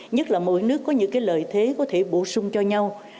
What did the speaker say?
nhất là mỗi nước có những lợi thế có thể bổ sung cho nhau